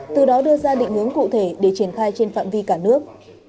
từ đó đưa ra định hướng cụ thể để triển khai trên phạm vi cả nước